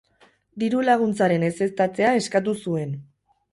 Diru-laguntzaren ezeztatzea eskatu zuen.